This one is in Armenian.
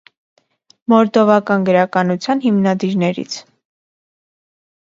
Մորդովական գրականության հիմնադիրներից։